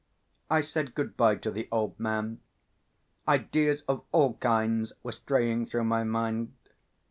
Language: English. I said good bye to the old man. Ideas of all kinds were straying through my mind.